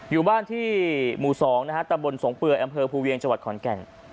อยู่บ้านที่หมู่๒นะฮะตำบลสงเปื่อยอำเภอภูเวียงจังหวัดขอนแก่น